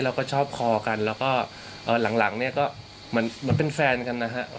เราก็ชอบคอกันแล้วก็หลังเนี่ยก็เหมือนเป็นแฟนกันนะฮะ